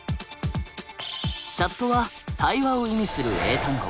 「Ｃｈａｔ」は「対話」を意味する英単語。